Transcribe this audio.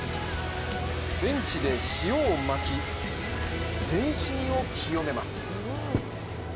ベンチで塩をまき、全身を清めます。